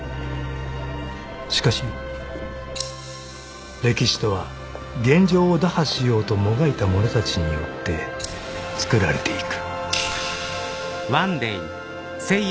［しかし歴史とは現状を打破しようともがいた者たちによってつくられていく］